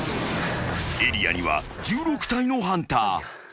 ［エリアには１６体のハンター］